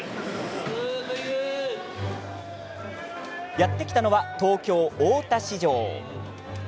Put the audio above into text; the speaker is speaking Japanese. やって来たのは東京・大田市場。